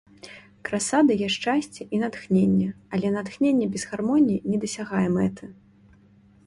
Краса дае шчасце і натхненне, але натхненне без гармоніі не дасягае мэты.